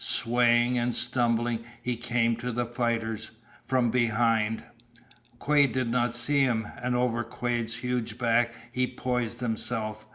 Swaying and stumbling he came to the fighters from behind. Quade did not see him, and over Quade's huge back he poised himself.